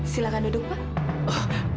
silakan duduk pak